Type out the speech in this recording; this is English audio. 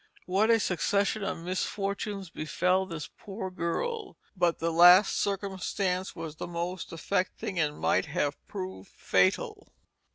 "What a Succession of Misfortunes befell this poor Girl? But the last Circumstance was the most affecting and might have proved fatal."